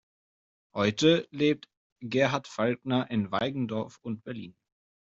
Heute lebt Gerhard Falkner in Weigendorf und Berlin.